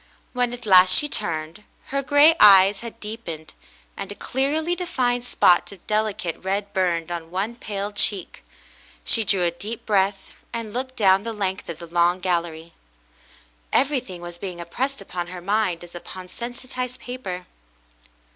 When at last she turned, her gray eyes had deepened, and a clearly defined spot of delicate red burned on one pale cheek. She drew a deep breath and looked down the length of the long gallery. Everything was being impressed upon her mind as upon sensitized paper.